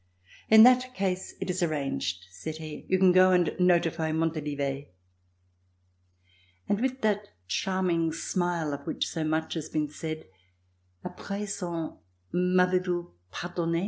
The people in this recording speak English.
"In that case, it is arranged," said he. "You can go and notify Montalivet." And with that charming smile of which so much has been said: "A present, m'avez vous pardonne?"